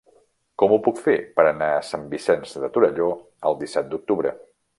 Com ho puc fer per anar a Sant Vicenç de Torelló el disset d'octubre?